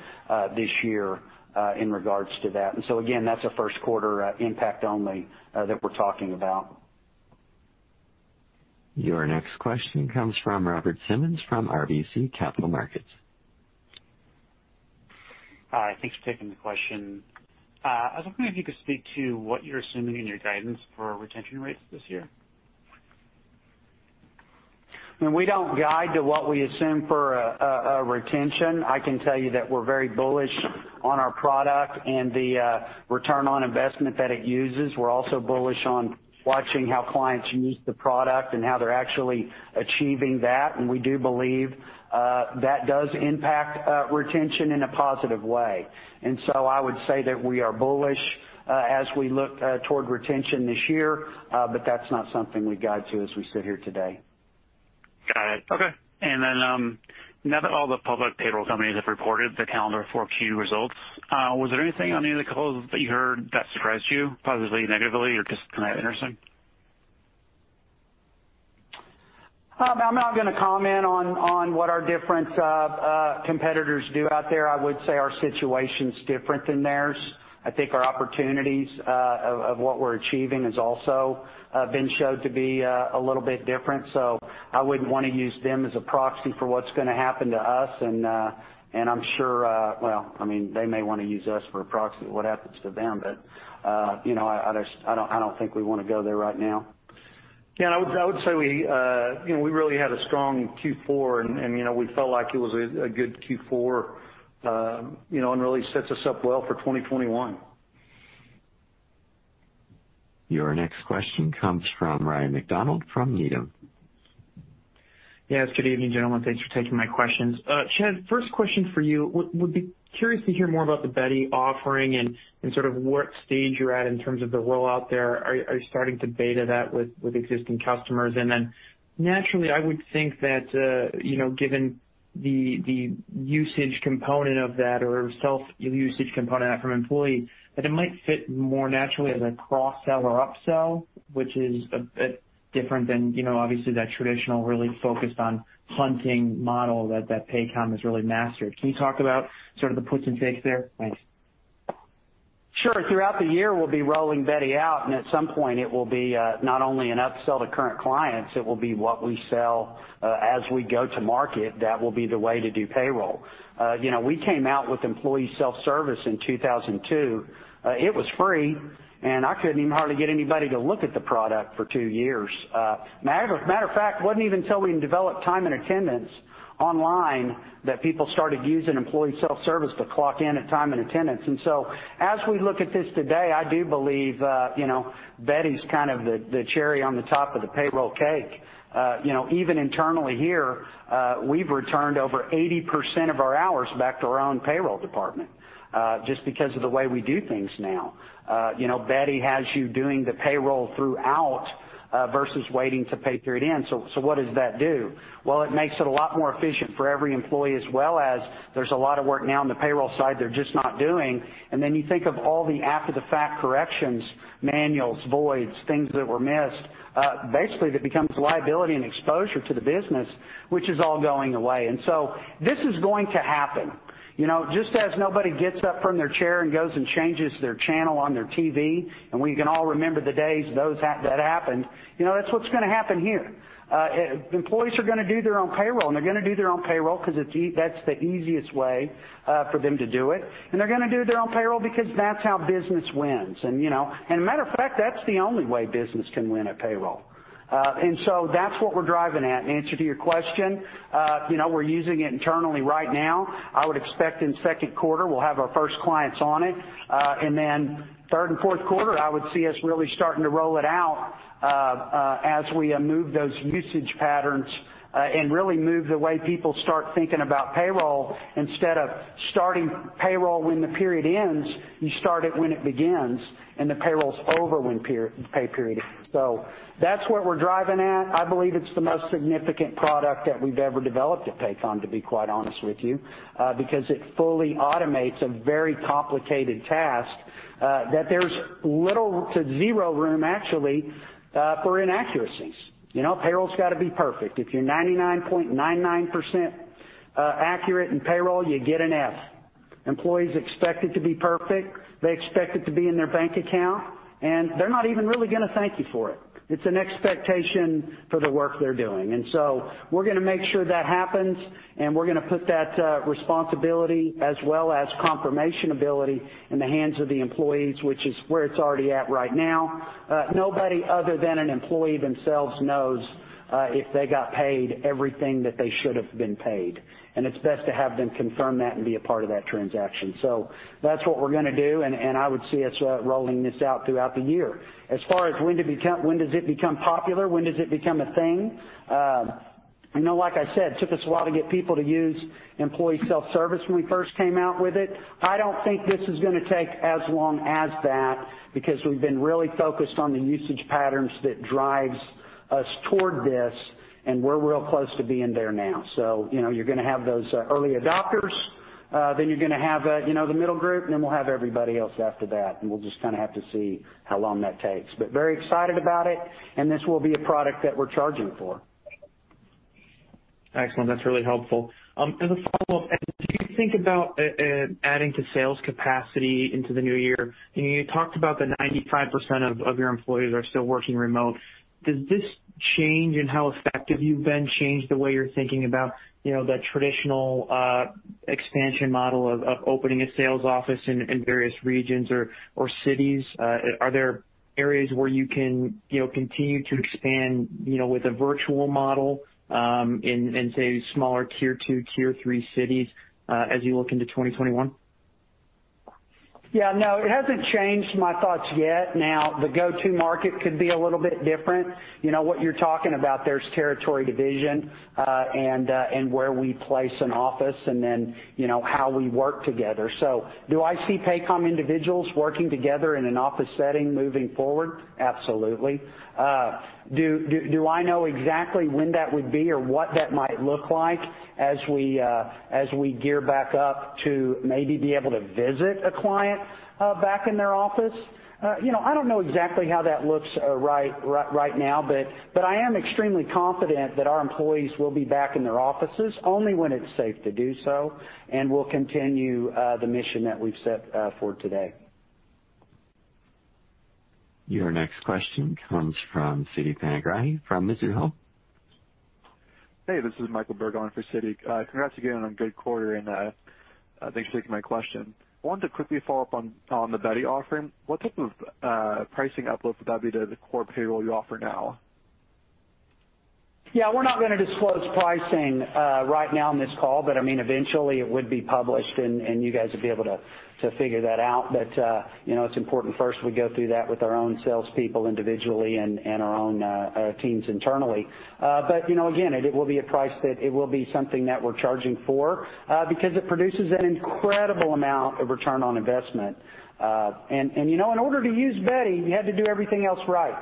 this year in regards to that. Again, that's a first quarter impact only that we're talking about. Your next question comes from Robert Simmons from RBC Capital Markets. Hi. Thanks for taking the question. I was wondering if you could speak to what you're assuming in your guidance for retention rates this year. We don't guide to what we assume for a retention. I can tell you that we're very bullish on our product and the return on investment that it uses. We're also bullish on watching how clients use the product and how they're actually achieving that. We do believe that does impact retention in a positive way. I would say that we are bullish as we look toward retention this year, but that's not something we guide to as we sit here today. Got it. Okay. Now that all the public payroll companies have reported the calendar 4Q results, was there anything on any of the calls that you heard that surprised you positively, negatively, or just kind of interesting? I'm not gonna comment on what our different competitors do out there. I would say our situation's different than theirs. I think our opportunities of what we're achieving has also been showed to be a little bit different. I wouldn't wanna use them as a proxy for what's gonna happen to us. I'm sure well, I mean, they may wanna use us for a proxy of what happens to them. You know, I don't think we wanna go there right now. Yeah, I would say we, you know, we really had a strong Q4, and, you know, we felt like it was a good Q4, you know, and really sets us up well for 2021. Your next question comes from Ryan MacDonald from Needham. Yes, good evening, gentlemen. Thanks for taking my questions. Chad, first question for you. Would be curious to hear more about the Beti offering and sort of what stage you're at in terms of the rollout there. Are you starting to beta that with existing customers? Then, naturally, I would think that, you know, given the usage component of that or self-usage component from employee, that it might fit more naturally as a cross-sell or up-sell, which is a bit different than, you know, obviously, that traditional really focused on hunting model that Paycom has really mastered. Can you talk about sort of the puts and takes there? Thanks. Sure. Throughout the year, we'll be rolling Beti out, and at some point, it will be not only an up-sell to current clients, it will be what we sell as we go to market. That will be the way to do payroll. You know, we came out with Employee Self-Service in 2002. It was free, and I couldn't even hardly get anybody to look at the product for two years. Matter of fact, it wasn't even until we developed time and attendance online that people started using Employee Self-Service to clock in at time and attendance. As we look at this today, I do believe, you know, Beti's kind of the cherry on the top of the payroll cake. You know, even internally here, we've returned over 80% of our hours back to our own payroll department, just because of the way we do things now. You know, Beti has you doing the payroll throughout, versus waiting to pay period end. What does that do? Well, it makes it a lot more efficient for every employee as well as there's a lot of work now on the payroll side they're just not doing. You think of all the after-the-fact corrections, manuals, voids, things that were missed, basically that becomes liability and exposure to the business, which is all going away. This is going to happen. You know, just as nobody gets up from their chair and goes and changes their channel on their TV, and we can all remember the days those that happened. You know, that's what's gonna happen here. Employees are gonna do their own payroll, and they're gonna do their own payroll 'cause that's the easiest way for them to do it. They're gonna do their own payroll because that's how business wins, and, you know. Matter of fact, that's the only way business can win at payroll. That's what we're driving at. In answer to your question, you know, we're using it internally right now. I would expect in second quarter we'll have our first clients on it. Then third and fourth quarter, I would see us really starting to roll it out as we move those usage patterns and really move the way people start thinking about payroll. Instead of starting payroll when the period ends, you start it when it begins, and the payroll's over when pay period ends. That's what we're driving at. I believe it's the most significant product that we've ever developed at Paycom, to be quite honest with you, because it fully automates a very complicated task that there's little to zero room actually for inaccuracies. You know, payroll's gotta be perfect. If you're 99.99% accurate in payroll, you get an F. Employees expect it to be perfect. They expect it to be in their bank account, and they're not even really gonna thank you for it. It's an expectation for the work they're doing. We're gonna make sure that happens, and we're gonna put that responsibility as well as confirmation ability in the hands of the employees, which is where it's already at right now. Nobody other than an employee themselves knows if they got paid everything that they should have been paid. It's best to have them confirm that and be a part of that transaction. That's what we're gonna do, and I would see us rolling this out throughout the year. As far as when does it become popular, when does it become a thing? You know, like I said, it took us a while to get people to use Employee Self-Service when we first came out with it. I don't think this is gonna take as long as that because we've been really focused on the usage patterns that drives us toward this, and we're real close to being there now. You know, you're gonna have those, early adopters, then you're gonna have, you know, the middle group, and then we'll have everybody else after that. We'll just kinda have to see how long that takes. Very excited about it, and this will be a product that we're charging for. Excellent. That's really helpful. As a follow-up, as you think about adding to sales capacity into the new year, you know, you talked about the 95% of your employees are still working remote. Does this change in how effective you've been change the way you're thinking about, you know, the traditional expansion model of opening a sales office in various regions or cities? Are there areas where you can, you know, continue to expand with a virtual model in, say, smaller tier 2, tier 3 cities as you look into 2021? Yeah, no, it hasn't changed my thoughts yet. The go-to market could be a little bit different. You know, what you're talking about, there's territory division and where we place an office, you know, how we work together. Do I see Paycom individuals working together in an office setting moving forward? Absolutely. Do I know exactly when that would be or what that might look like as we gear back up to maybe be able to visit a client back in their office? You know, I don't know exactly how that looks right now. I am extremely confident that our employees will be back in their offices only when it's safe to do so, and we'll continue the mission that we've set for today. Your next question comes from Siti Panigrahi from Mizuho. Hey, this is Michael Berg on for Siti. Congrats again on a good quarter, and thanks for taking my question. I wanted to quickly follow up on the Beti offering. What type of pricing uplift would that be to the core payroll you offer now? Yeah, we're not gonna disclose pricing right now on this call, I mean, eventually it would be published, and you guys would be able to figure that out. You know, it's important first we go through that with our own salespeople individually and our own teams internally. You know, again, it will be a price that it will be something that we're charging for, because it produces an incredible amount of return on investment. You know, in order to use Beti, you have to do everything else right,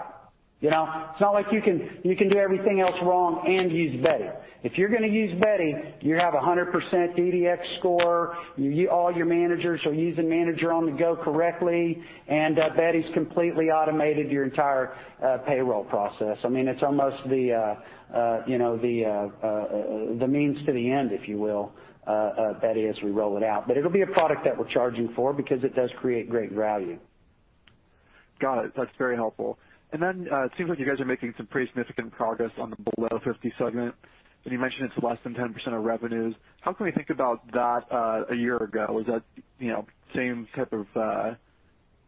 you know? It's not like you can do everything else wrong and use Beti. If you're gonna use Beti, you have a 100% DDX score, all your managers are using Manager on-the-Go correctly, and Beti's completely automated your entire payroll process. I mean, it's almost you know, the means to the end, if you will, Beti as we roll it out. It'll be a product that we're charging for because it does create great value. Got it. That's very helpful. It seems like you guys are making some pretty significant progress on the below 50 segment, and you mentioned it's less than 10% of revenues. How can we think about that, a year ago? Is that, you know, same type of,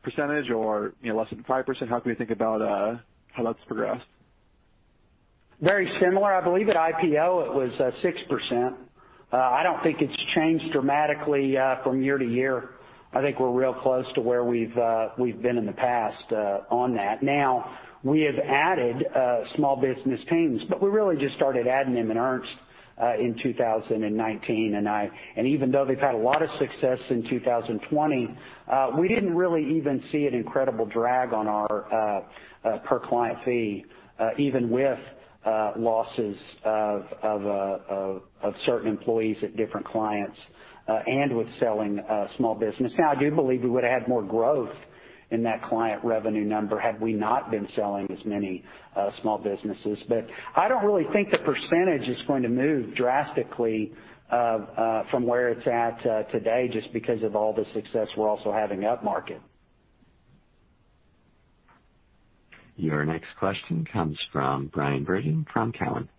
percentage or, you know, less than 5%? How can we think about, how that's progressed? Very similar. I believe at IPO it was 6%. I don't think it's changed dramatically from year to year. I think we're real close to where we've been in the past on that. We have added small business teams, but we really just started adding them in earnest in 2019. Even though they've had a lot of success in 2020, we didn't really even see an incredible drag on our per-client fee, even with losses of certain employees at different clients and with selling small business. I do believe we would've had more growth in that client revenue number had we not been selling as many small businesses. I don't really think the percentage is going to move drastically from where it's at today just because of all the success we're also having up market. Your next question comes from Bryan Bergin from Cowen.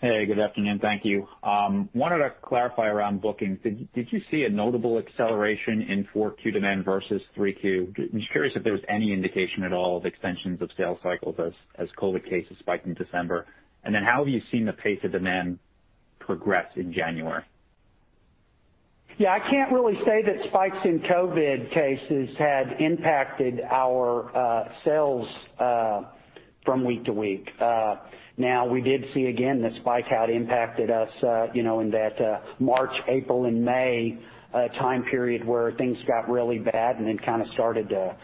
Hey, good afternoon. Thank you. Wanted to clarify around bookings. Did you see a notable acceleration in 4Q demand versus 3Q? Just curious if there was any indication at all of extensions of sales cycles as COVID cases spiked in December. How have you seen the pace of demand progress in January? Yeah, I can't really say that spikes in COVID cases had impacted our sales from week to week. Now, we did see again that spike had impacted us, you know, in that March, April, and May time period where things got really bad and then kind of started to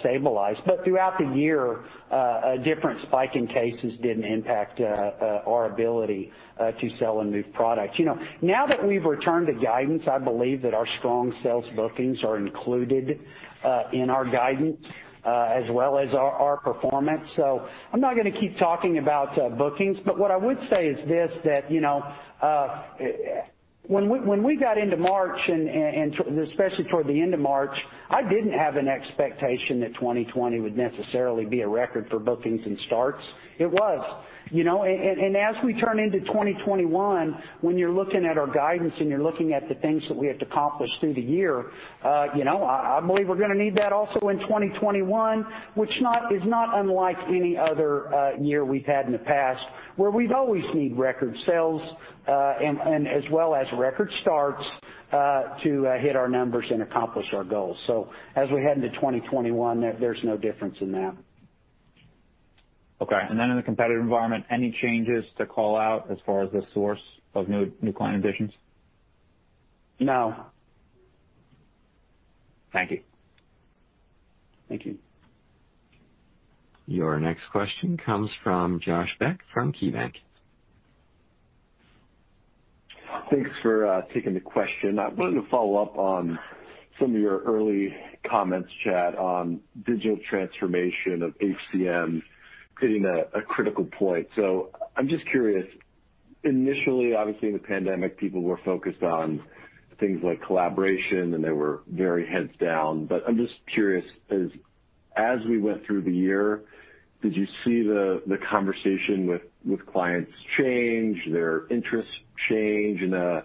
stabilize. Throughout the year, a different spike in cases didn't impact our ability to sell and move product. You know, now that we've returned to guidance, I believe that our strong sales bookings are included in our guidance as well as our performance. I'm not gonna keep talking about bookings, but what I would say is this, that, you know, when we got into March and especially toward the end of March, I didn't have an expectation that 2020 would necessarily be a record for bookings and starts. It was, you know. As we turn into 2021, when you're looking at our guidance and you're looking at the things that we have to accomplish through the year, you know, I believe we're gonna need that also in 2021, which is not unlike any other year we've had in the past, where we've always need record sales, and as well as record starts, to hit our numbers and accomplish our goals. As we head into 2021, there's no difference in that. Okay. In the competitive environment, any changes to call out as far as the source of new client additions? No. Thank you. Thank you. Your next question comes from Josh Beck from KeyBanc. Thanks for taking the question. I wanted to follow up on some of your early comments, Chad, on digital transformation of HCM hitting a critical point. I'm just curious. Initially, obviously, in the pandemic, people were focused on things like collaboration, and they were very heads down. I'm just curious, as we went through the year, did you see the conversation with clients change, their interests change in a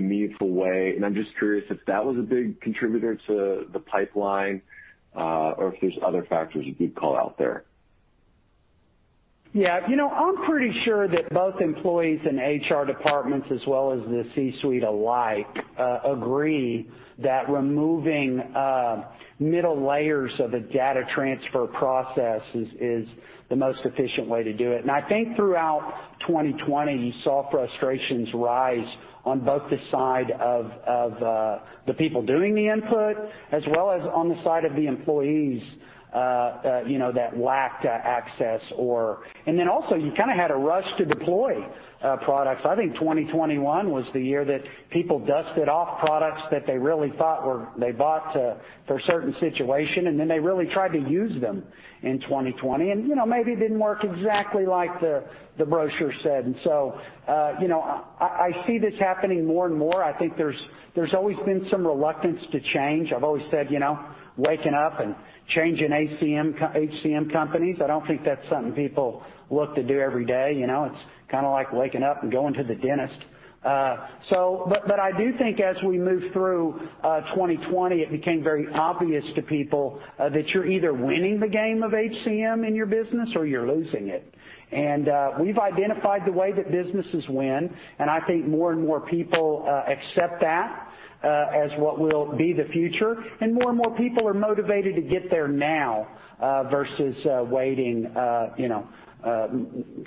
meaningful way? I'm just curious if that was a big contributor to the pipeline, or if there's other factors you'd call out there. Yeah. You know, I'm pretty sure that both employees and HR departments as well as the C-suite alike, agree that removing, middle layers of a data transfer process is the most efficient way to do it. I think throughout 2020, you saw frustrations rise on both the side of, the people doing the input as well as on the side of the employees, you know, that lacked access. Then also, you kinda had a rush to deploy, products. I think 2021 was the year that people dusted off products that they really thought were they bought, for a certain situation, and then they really tried to use them in 2020. You know, maybe it didn't work exactly like the brochure said. So, you know, I see this happening more and more. I think there's always been some reluctance to change. I've always said, you know, waking up and changing HCM companies, I don't think that's something people look to do every day, you know? It's kinda like waking up and going to the dentist. But I do think as we move through 2020, it became very obvious to people that you're either winning the game of HCM in your business or you're losing it. We've identified the way that businesses win, and I think more and more people accept that as what will be the future. More and more people are motivated to get there now, versus waiting, you know,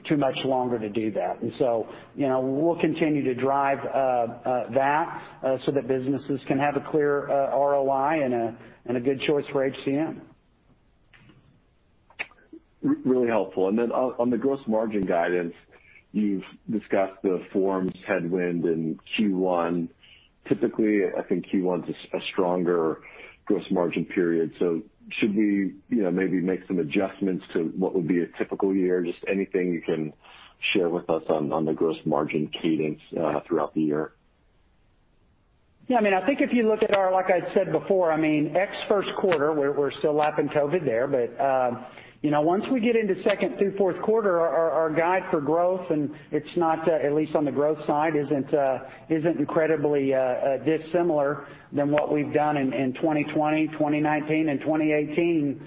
too much longer to do that. You know, we'll continue to drive that so that businesses can have a clear ROI and a good choice for HCM. Really helpful. On the gross margin guidance, you've discussed the forms headwind in Q1. Typically, I think Q1's a stronger gross margin period. Should we, you know, maybe make some adjustments to what would be a typical year? Just anything you can share with us on the gross margin cadence throughout the year? Yeah. I mean, I think if you look at our like I said before, I mean, ex first quarter, we're still lapping COVID there. You know, once we get into second through fourth quarter, our guide for growth, it's not, at least on the growth side, isn't incredibly dissimilar than what we've done in 2020, 2019 and 2018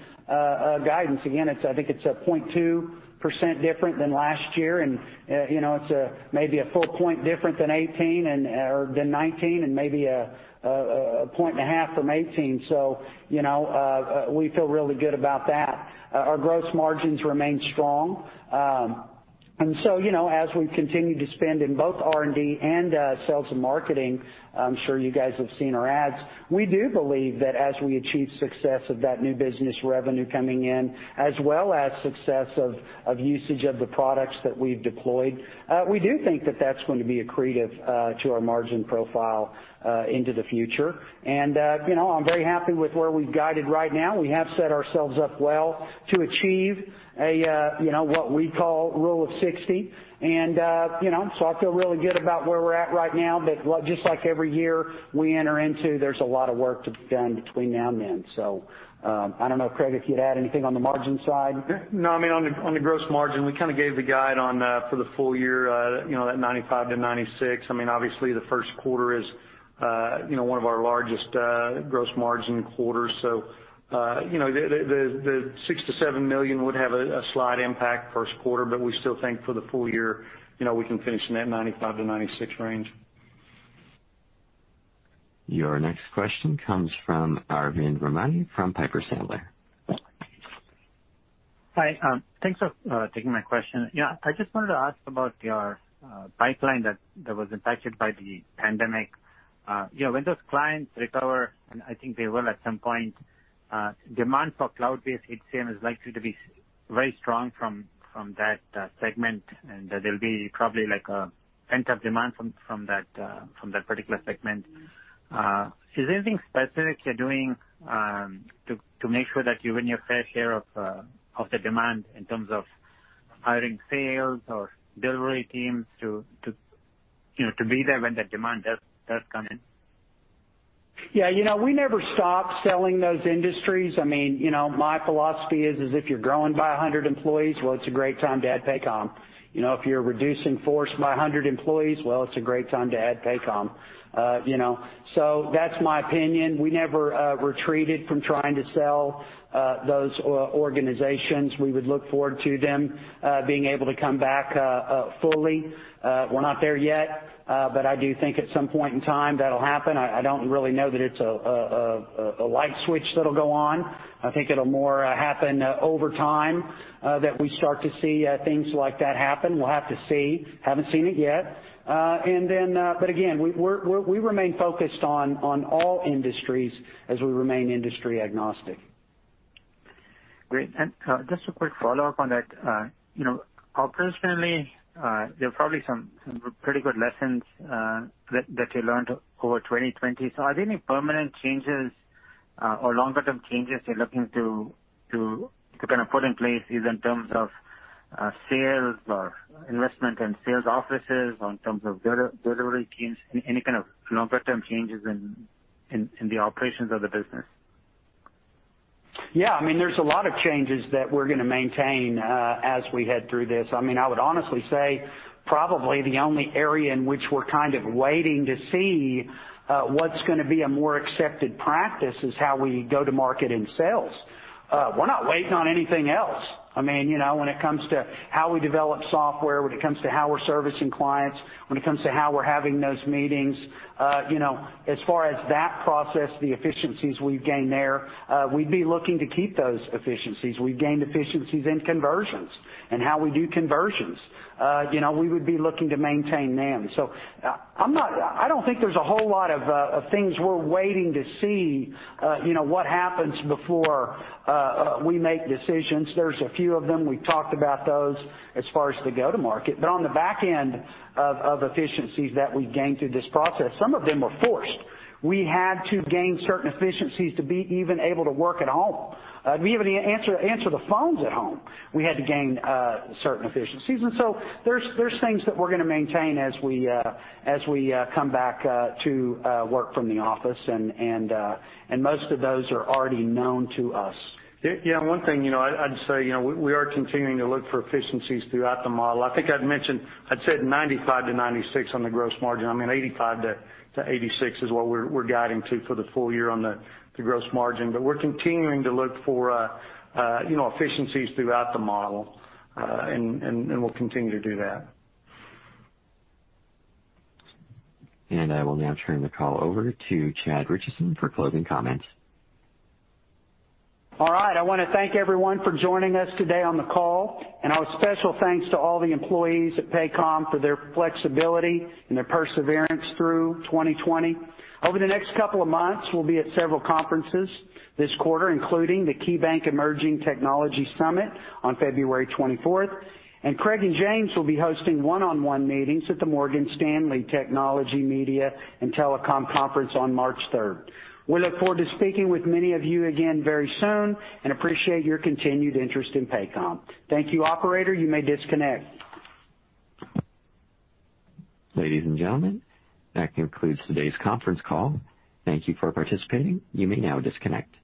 guidance. Again, it's, I think it's a 0.2% different than last year. You know, it's maybe a full point different than 2018 or than 2019 and maybe a point and a half from 2018. You know, we feel really good about that. Our gross margins remain strong. You know, as we continue to spend in both R&D and sales and marketing, I'm sure you guys have seen our ads, we do believe that as we achieve success of that new business revenue coming in as well as success of usage of the products that we've deployed, we do think that that's going to be accretive to our margin profile into the future. You know, I'm very happy with where we've guided right now. We have set ourselves up well to achieve a, you know, what we call Rule of 60. You know, so I feel really good about where we're at right now. Just like every year we enter into, there's a lot of work to be done between now and then. I don't know, Craig, if you'd add anything on the margin side? No, I mean, on the gross margin, we kinda gave the guide on for the full year, you know, that 95%-96%. I mean, obviously, the first quarter is, you know, one of our largest gross margin quarters. The $6 million-$7 million would have a slight impact first quarter, but we still think for the full year, you know, we can finish in that 95%-96% range. Your next question comes from Arvind Ramnani from Piper Sandler. Hi. Thanks for taking my question. Yeah, I just wanted to ask about your pipeline that was impacted by the pandemic. You know, when those clients recover, and I think they will at some point, demand for cloud-based HCM is likely to be very strong from that segment, and there'll be probably like a pent-up demand from that, from that particular segment. Is there anything specific you're doing to make sure that you win your fair share of the demand in terms of hiring sales or delivery teams to, you know, to be there when the demand does come in? Yeah. You know, we never stopped selling those industries. I mean, you know, my philosophy is if you're growing by 100 employees, well, it's a great time to add Paycom. You know, if you're reducing force by 100 employees, well, it's a great time to add Paycom. You know, that's my opinion. We never retreated from trying to sell those organizations. We would look forward to them being able to come back fully. We're not there yet, but I do think at some point in time that'll happen. I don't really know that it's a light switch that'll go on. I think it'll more happen over time that we start to see things like that happen. We'll have to see. Haven't seen it yet. We remain focused on all industries as we remain industry agnostic. Great. Just a quick follow-up on that. You know, operationally, there are probably some pretty good lessons that you learned over 2020. Are there any permanent changes or longer-term changes you're looking to kind of put in place, either in terms of sales or investment in sales offices or in terms of delivery teams? Any kind of longer-term changes in the operations of the business? Yeah, I mean, there's a lot of changes that we're gonna maintain as we head through this. I mean, I would honestly say probably the only area in which we're kind of waiting to see what's gonna be a more accepted practice is how we go to market in sales. We're not waiting on anything else. I mean, you know, when it comes to how we develop software, when it comes to how we're servicing clients, when it comes to how we're having those meetings, you know, as far as that process, the efficiencies we've gained there, we'd be looking to keep those efficiencies. We've gained efficiencies in conversions and how we do conversions. You know, we would be looking to maintain them. I don't think there's a whole lot of things we're waiting to see, you know, what happens before we make decisions. There's a few of them, we've talked about those as far as the go-to-market. On the back end of efficiencies that we gained through this process, some of them were forced. We had to gain certain efficiencies to be even able to work at home. To be able to answer the phones at home, we had to gain certain efficiencies. There's things that we're gonna maintain as we come back to work from the office and most of those are already known to us. Yeah. One thing, you know, I'd say, you know, we are continuing to look for efficiencies throughout the model. I think I'd mentioned, I'd said 95%-96% on the gross margin. I mean, 85%-86% is what we're guiding to for the full year on the gross margin. We're continuing to look for, you know, efficiencies throughout the model, and we'll continue to do that. I will now turn the call over to Chad Richison for closing comments. All right. I want to thank everyone for joining us today on the call, and our special thanks to all the employees at Paycom for their flexibility and their perseverance through 2020. Over the next couple of months, we'll be at several conferences this quarter, including the KeyBanc Emerging Technology Summit on February 24th, and Craig and James will be hosting one-on-one meetings at the Morgan Stanley Technology, Media and Telecom Conference on March 3rd. We look forward to speaking with many of you again very soon and appreciate your continued interest in Paycom. Thank you. Operator, you may disconnect. Ladies and gentlemen, that concludes today's conference call. Thank you for participating. You may now disconnect.